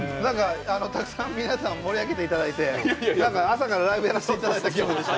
たくさん皆さん盛り上げていただいて朝からライブやらせていただいた気分でした。